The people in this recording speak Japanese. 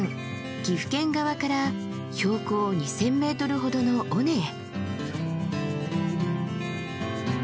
岐阜県側から標高２，０００ｍほどの尾根へ。